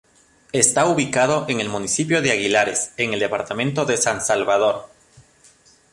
Está ubicado en el municipio de Aguilares en el departamento de San Salvador.